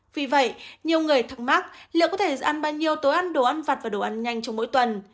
vì vậy nhiều người thắc mắc liệu có thể ăn bao nhiêu tối ăn đồ ăn vặt và đồ ăn nhanh trong mỗi tuần